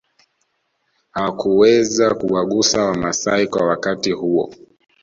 Hawakuweza kuwagusa wamasai kwa wakati huo